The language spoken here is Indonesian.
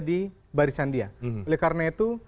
di barisan dia oleh karena itu